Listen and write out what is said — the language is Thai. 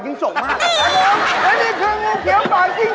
พี่ครับตรวจไม่ได้ครับเดี๋ยวเจอใส่รุ้ง